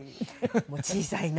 もう小さいな。